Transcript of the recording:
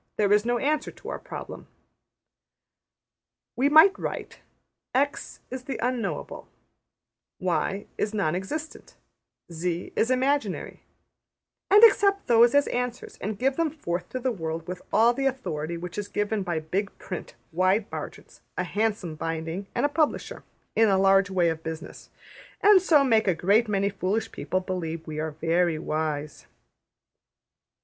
There is no answer to our problem. We might write: \begin{center}\begin{tabular}{c} $x$ is the unknowable; \\ $y$ is non existent; \\ $z$ is imaginary, \end{tabular}\end{center} and accept those as answers and give them forth to the world with all the authority which is given by big print, wide margins, a handsome binding, and a publisher in a large way of business; and so make a great many foolish people believe we are very wise.